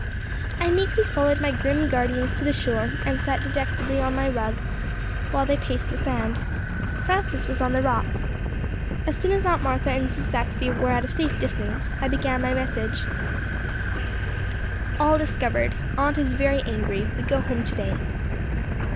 I meekly followed my grim guardians to the shore and sat dejectedly on my rug while they paced the sand. Francis was on the rocks. As soon as Aunt Martha and Mrs. Saxby were at a safe distance, I began my message: "All discovered. Aunt is very angry. We go home today."